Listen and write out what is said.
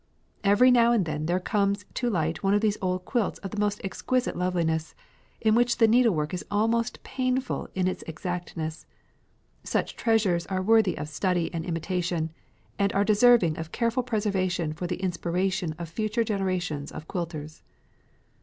Every now and then there comes to light one of these old quilts of the most exquisite loveliness, in which the needlework is almost painful in its exactness. Such treasures are worthy of study and imitation, and are deserving of careful preservation for the inspiration of future generations of quilters.